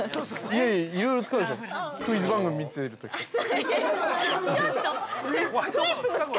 ◆いやいや、いろいろ使うでしょう、クイズ番組見てるときとか。